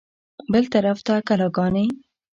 بل طرف ته کلاګانې.